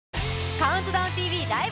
「ＣＤＴＶライブ！